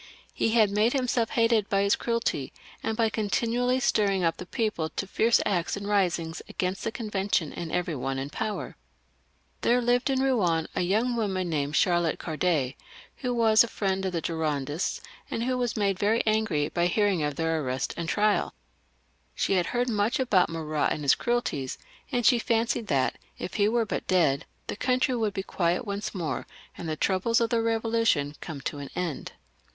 He had made himself hated by his cruelty, and by continually stirring up the people to fierce acts and risings against the Convention and every one in power. There lived at Eouen a young woman, named Charlotte Corday, who was a friend of the Girondists, and who was made very angry by hearing of their arrest and trial She had heard much about Marat and his cruelties, and she XLIX.] THE REVOLUTION, 411 fancied that if he were but dead, the countrj^ would be quiet once more, and the troubles of the Eevolution come to an end.